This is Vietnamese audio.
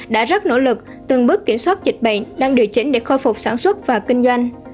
đã rất nỗ lực từng bước kiểm soát dịch bệnh đang điều chỉnh để khôi phục sản xuất và kinh doanh